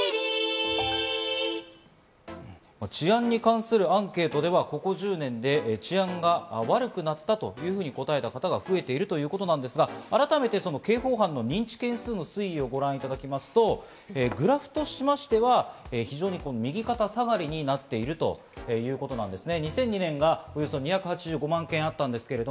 治安に関するアンケートでは、ここ１０年で治安が悪くなったというふうに答えた方が増えているということなんですが、改めて刑法犯の認知件数の推移をご覧いただきますと、グラフとしましては右肩下がりになっているということなんですね。